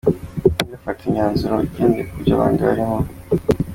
Ntugafate imyanzuro ugendeye kubyo abandi barimo.